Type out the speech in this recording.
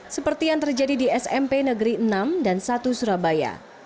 seperti yang terjadi di smp negeri enam dan satu surabaya